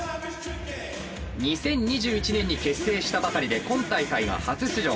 ２０２１年に結成したばかりで今大会が初出場。